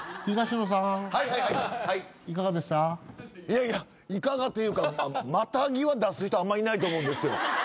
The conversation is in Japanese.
いやいやいかがというかマタギは出す人あんまいないと思うんですよ。